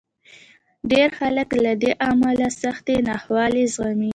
ډېر خلک له دې امله سختې ناخوالې زغمي.